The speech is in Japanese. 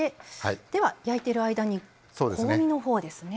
では焼いてる間に香味のほうですね。